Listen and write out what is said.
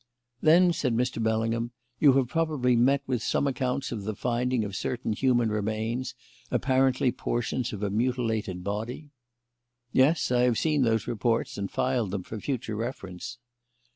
"Then," said Mr. Bellingham, "you have probably met with some accounts of the finding of certain human remains, apparently portions of a mutilated body?" "Yes, I have seen those reports and filed them for future reference."